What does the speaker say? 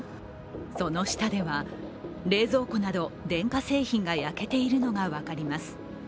その下では、冷蔵庫など電化製品が焼けているのが分かります。